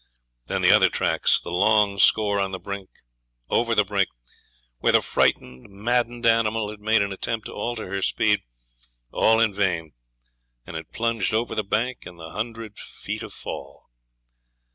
Then the other tracks, the long score on the brink over the brink where the frightened, maddened animal had made an attempt to alter her speed, all in vain, and had plunged over the bank and the hundred feet of fall.